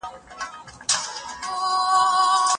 په ځیګر خون په خوله خندان د انار رنګ راوړی